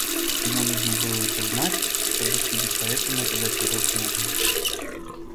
Ему нужно было это знать, чтобы, судя по этому, задать урок на день.